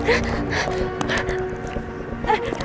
serahin dia dulu